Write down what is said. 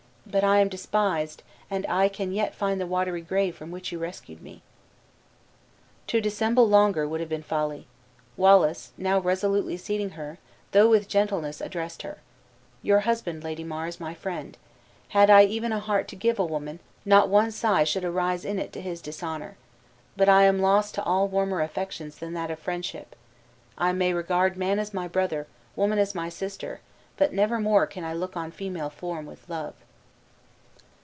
But I am despised, and I can yet find the watery grave from which you rescued me." To dissemble longer would have been folly. Wallace, now resolutely seating her, though with gentleness, addressed her: "Your husband, Lady Mar, is my friend; had I even a heart to give a woman, not one sigh should arise in it to his dishonor. But I am lost to all warmer affections than that of friendship. I may regard man as my brother, woman as my sister; but never more can I look on female form with love."